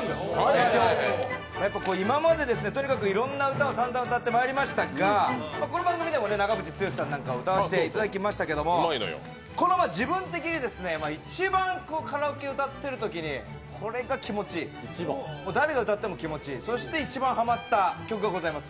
今までさんざん歌を歌ってまいりましたが、この番組でも長渕剛さんなんかを歌わせていただきましたが、自分的に一番カラオケ歌っているときにこれが気持ちいい、誰が歌っても気持ちいい、そして一番ハマった曲がございます。